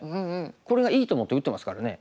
これがいいと思って打ってますからね。